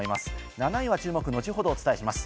７位は注目、後ほどお伝えします。